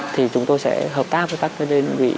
thì chúng tôi sẽ hợp tác với các đơn vị